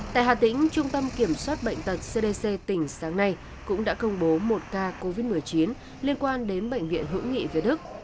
tại hà tĩnh trung tâm kiểm soát bệnh tật cdc tỉnh sáng nay cũng đã công bố một ca covid một mươi chín liên quan đến bệnh viện hữu nghị việt đức